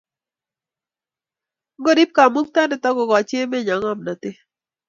Ngoriip Kamuktaindet akokoch emet nyo ngomnatet